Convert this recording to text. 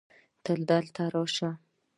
دلته راسه